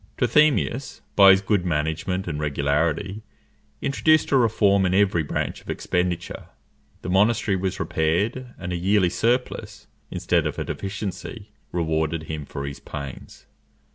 Trithemius, by his good management and regularity, introduced a reform in every branch of expenditure. The monastery was repaired, and a yearly surplus, instead of a deficiency, rewarded him for his pains.